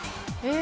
え！